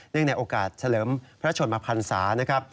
เนื่องในโอกาสเสริมพระชนมพันษานะครับ